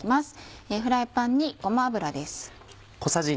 フライパンにごま油です。